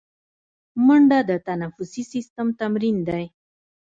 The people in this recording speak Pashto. منډه د تنفسي سیستم تمرین دی